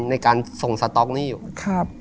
ในการส่งสต๊อกนี้อยู่ครับ